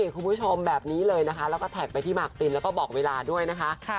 คุณผู้ชมแบบนี้เลยนะคะแล้วก็แท็กไปที่หมากปรินแล้วก็บอกเวลาด้วยนะคะ